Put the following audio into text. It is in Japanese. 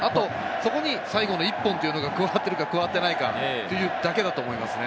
あとそこに最後の一本が加わってるか、加わっていないかというだけだと思いますね。